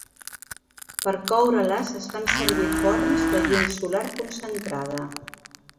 Per coure-les es fan servir forns de llum solar concentrada.